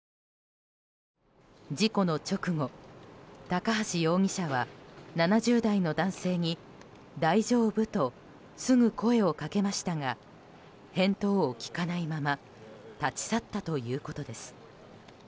事故の直後高橋容疑者は７０代の男性に大丈夫？とすぐ声を掛けましたが返答を聞かないまま立ち去ったということです。